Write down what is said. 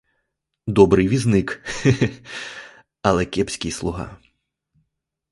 Добрий візник, ге, ге, але кепський слуга.